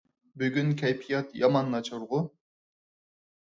بۈگۈن كەيپىيات يامان ناچارغۇ.